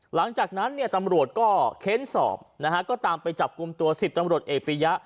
หลังจากนั้นตำรวจเข้นสอบก็ตามไปจับกลุ่มตัว๑๐ตำรวจเอฟรียะ